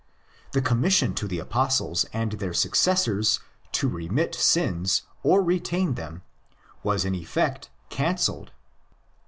The commission to the Apostles and their successors to "remit" sins or ''retain" them was in effect cancelled.